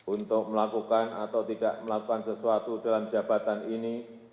untuk melakukan atau tidak melakukan sesuatu dalam jabatan ini